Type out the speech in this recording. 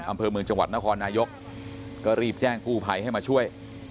อำเภอเมืองจังหวัดนครนายกก็รีบแจ้งกู้ภัยให้มาช่วย